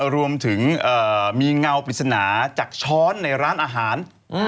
รวมถึงมีเงาปริศนาจากช้อนในร้านอาหาร